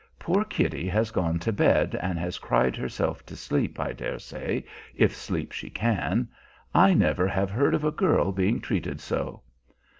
Poor Kitty has gone to bed, and has cried herself to sleep, I dare say, if sleep she can. I never have heard of a girl being treated so.